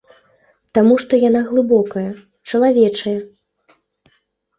Таму што яна глыбокая, чалавечая.